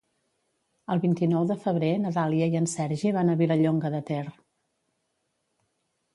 El vint-i-nou de febrer na Dàlia i en Sergi van a Vilallonga de Ter.